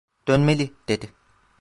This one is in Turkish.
"Dönmeli!" dedi.